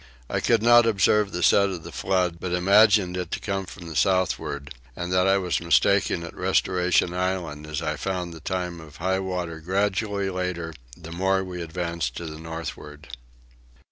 I could not observe the set of the flood but imagined it to come from the southward, and that I was mistaken at Restoration Island as I found the time of high water gradually later the more we advanced to the northward.